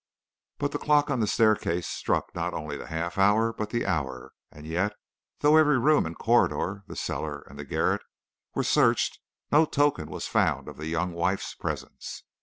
"But the clock on the staircase struck not only the half hour, but the hour, and yet, though every room and corridor, the cellar and the garret, were searched, no token was found of the young wife's presence.